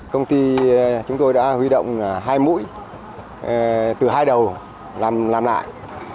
công ty chúng tôi đã huy động hai mũi từ hai đầu làm lại